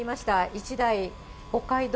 １台、北海道